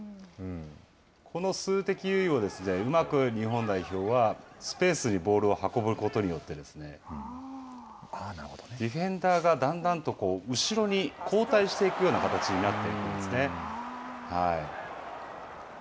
この数的優位をうまく日本代表はスペースにボールを運ぶことによって、ディフェンダーがだんだんと後ろに交代していくような形になっていくんですね。